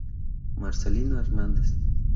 Marcelino Hernández.